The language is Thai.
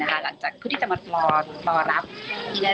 พวกเธอจะมารอรับพี่นาริน